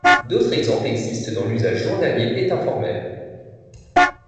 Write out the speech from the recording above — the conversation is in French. D'autres exemples existent dans l'usage journalier et informel.